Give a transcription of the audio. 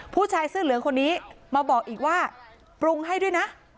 ผู้ชายเสื้อเหลืองคนนี้มาบอกอีกว่าปรุงให้ด้วยนะ